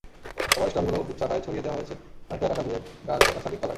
এবার স্টলগুলোও গুচ্ছ আকারে ছড়িয়ে দেওয়া হয়েছে অনেকটা এলাকাজুড়ে, গাছগাছালির তলায়।